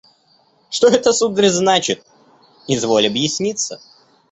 – Что это, сударь, значит? Изволь объясниться.